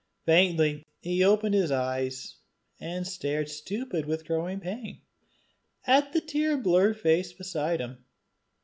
Faintly he opened his eyes, and stared, stupid with growing pain, at the tear blurred face beside him.